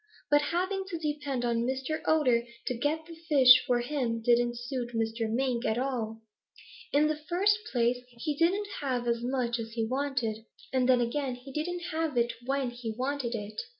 "But having to depend on Mr. Otter to get the fish for him didn't suit Mr. Mink at all. In the first place, he didn't have as much as he wanted. And then again he didn't have it when he wanted it.